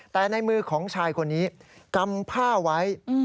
แต่ในมือของชายคนนี้กำผ้าไว้